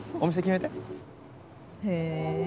へえ。